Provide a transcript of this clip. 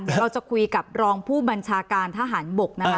เราจะคุยกับรองผู้บัญชาการทหารบกนะคะ